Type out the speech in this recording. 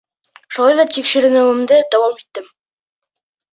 Шулай ҙа тикшеренеүемде дауам иттем.